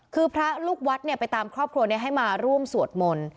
คือพระลูกวัดไปตามครอบครัวนี้ให้มาร่วมสวดมนต์